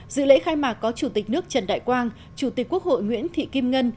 dự lễ khai mạc có chủ tịch nước trần đại quang chủ tịch quốc hội nguyễn thị kim ngân